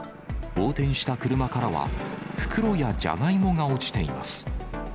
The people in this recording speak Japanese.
横転した車からは、袋やじゃがいもが落ちています。